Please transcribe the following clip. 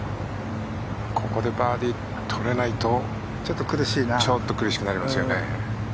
ここでバーディーを取れないとちょっと苦しくなりますよね。